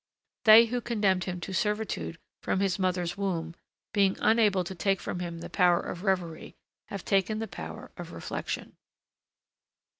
They who condemned him to servitude from his mother's womb, being unable to take from him the power of reverie, have taken the power of reflection.